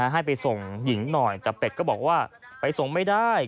ให้ไปส่งหญิงหน่อยแต่เป็ดก็บอกว่าไปส่งไม่ได้